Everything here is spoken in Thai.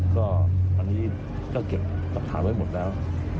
ก็อันนี้ก็เก็บหลักฐานไว้หมดแล้ว